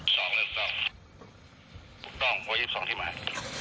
ถูกต้องวัน๒๒ที่หมาย